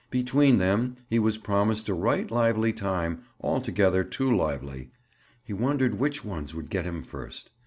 Between them, he was promised a right lively time—altogether too lively. He wondered which ones would get him first?